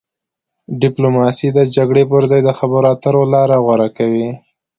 ډیپلوماسي د جګړې پر ځای د خبرو اترو لاره غوره کوي.